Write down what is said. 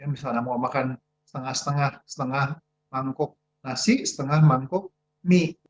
misalnya mau makan setengah setengah mangkok nasi setengah mangkok mie